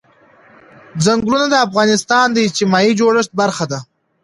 ځنګلونه د افغانستان د اجتماعي جوړښت برخه ده.